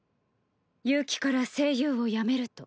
悠希から声優を辞めると。